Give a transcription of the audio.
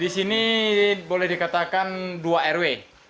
disini boleh dikatakan dua rw